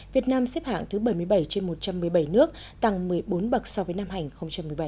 việt nam xếp hạng thứ bảy mươi bảy trên một trăm một mươi bảy nước tăng một mươi bốn bậc so với năm hành một mươi bảy